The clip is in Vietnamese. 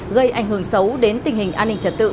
gây ảnh hưởng xấu đến tình hình an ninh trật tự